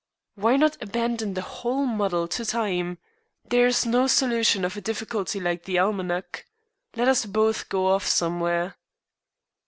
"Why not abandon the whole muddle to time? There is no solution of a difficulty like the almanac. Let us both go off somewhere."